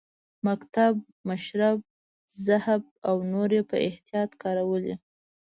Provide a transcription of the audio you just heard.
مکتب، مشرب، ذهب او نور یې په احتیاط کارولي.